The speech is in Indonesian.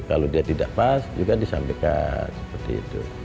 kalau dia tidak pas juga disampaikan seperti itu